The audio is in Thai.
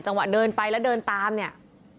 จังหวะเดินไปแล้วเดินตามเนี่ย